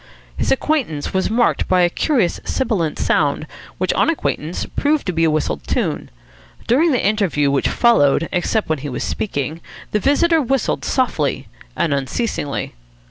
His entrance was marked by a curious sibilant sound, which, on acquaintance, proved to be a whistled tune. During the interview which followed, except when he was speaking, the visitor whistled softly and unceasingly.